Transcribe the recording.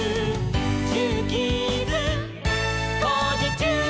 「ジューキーズ」「こうじちゅう！」